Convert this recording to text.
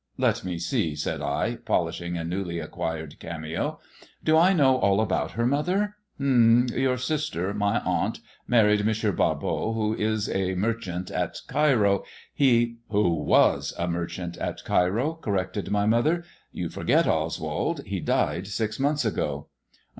" Let me see," said I, polishing a newly acquired cameo* ■* Do I know all about her, mother ? H'm, your sister, my iunt, married M. Barbot, who is a merchant at Cairo* ffe "" Who was a merchant at Cairo," corrected my mother* * You forget, Oswald, he died six months ago."